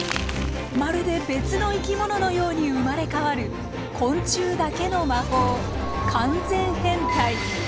まるで別の生き物のように生まれ変わる昆虫だけの魔法完全変態。